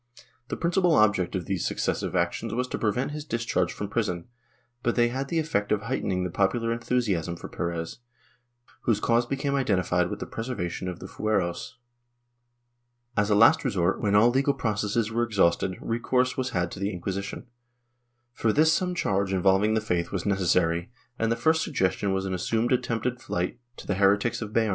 The principal object of these successive actions was to prevent his discharge from prison, but they had the effect of heightening the popular enthusiasm for Perez, whose cause became identified with the preservation of the fueros. As a last resort, when all legal processes were exhausted, recourse was had to the Inquisition. For this some charge involving the faith was necessary and the first suggestion was an assumed attempted flight to the heretics of Beam.